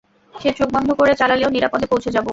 সে চোখ বন্ধ করে চালালেও নিরাপদে পৌঁছে যাবো।